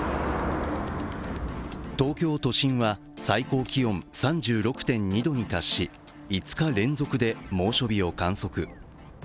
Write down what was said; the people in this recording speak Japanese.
東京都心は最高気温３６．２度に達し５日連続で猛暑日を観測。